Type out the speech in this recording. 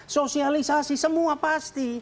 sosialisasi semua pasti